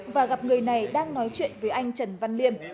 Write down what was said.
và gặp người này đang nói chuyện với anh trần văn liêm